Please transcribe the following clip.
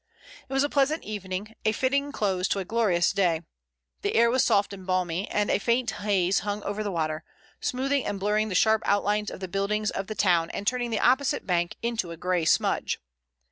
It was a pleasant evening, a fitting close to a glorious day. The air was soft and balmy, and a faint haze hung over the water, smoothing and blurring the sharp outlines of the buildings of the town and turning the opposite bank into a gray smudge.